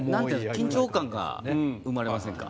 緊張感が生まれませんか？